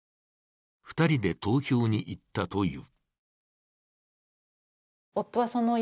２人で投票に行ったという。